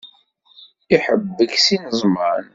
Iḥebbek s yineẓman.